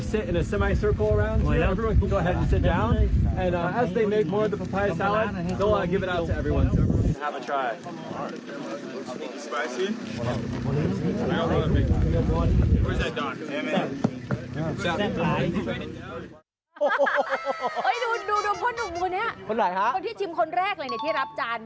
ซึ่งอันนี้เป็นร่วมฝึกระหว่างคอบรากก็มีการแรกกลี่นวัฒนะธรรม